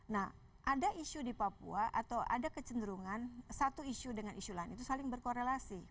nah ada isu di papua atau ada kecenderungan satu isu dengan isu lain itu saling berkorelasi